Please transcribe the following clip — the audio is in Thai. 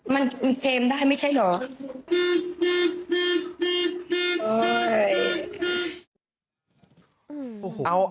มันเคลมได้ไม่ใช่เหรอ